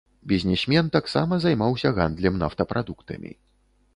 Бізнесмен таксама займаўся гандлем нафтапрадуктамі.